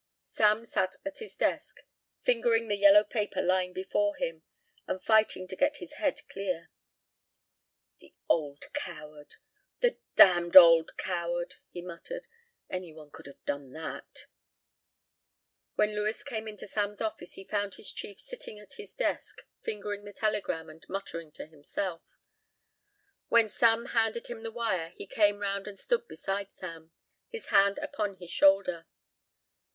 Sam sat at his desk, fingering the yellow paper lying before him and fighting to get his head clear. "The old coward. The damned old coward," he muttered; "any one could have done that." When Lewis came into Sam's office he found his chief sitting at his desk fingering the telegram and muttering to himself. When Sam handed him the wire he came around and stood beside Sam, his hand upon his shoulder.